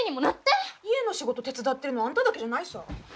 家の仕事手伝ってるのはあんただけじゃないさぁ。